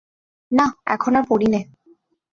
না, এখন আর পড়ি নে।